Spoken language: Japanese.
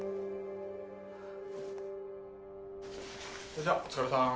それじゃお疲れさん。